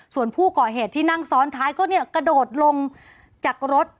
ส่วนผู้ก่อเหตุที่นั่งซ้อนท้ายก็เนี่ยกระโดดลงจากรถ